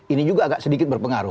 ini juga agak sedikit berpengaruh